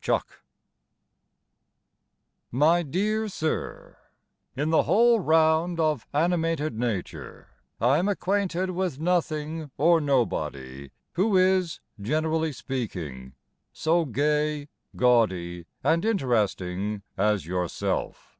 TO A PUBLISHER My dear Sir, In the whole round Of animated nature I am acquainted With nothing or nobody Who is, generally speaking, So gay, gaudy, and interesting As yourself.